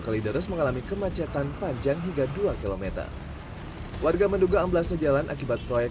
kalideres mengalami kemacetan panjang hingga dua km warga menduga amblasnya jalan akibat proyek